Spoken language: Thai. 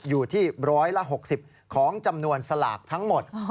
อยู่ที่๑๖๐ของจำนวนสลากทั้งหมด